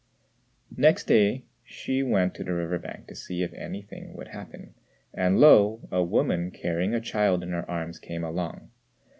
Next day Hsü waited on the river bank to see if anything would happen, and lo! a woman carrying a child in her arms came along.